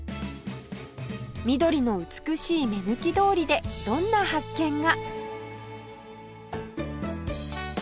緑の美しい目抜き通りでどんな発見が